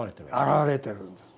表れてるんですよ。